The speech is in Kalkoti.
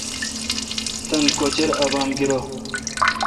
تان کوچر ابام گیرو۔